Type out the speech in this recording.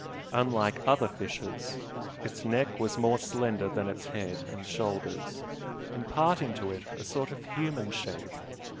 Unlike other fishes, its neck was more slender than its head and shoulders, imparting to it a sort of human shape.